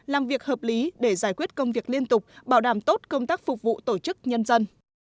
làm việc hợp lý để giải quyết công việc liên tục bảo đảm tốt công tác phục vụ tổ chức nhân dân